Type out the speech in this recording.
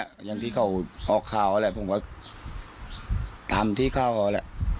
อย่างที่เขาออกข่าวอะไรผมว่าตามที่เขาเขาแหละ